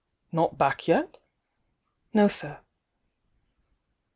' Not back yet?" "No, sir."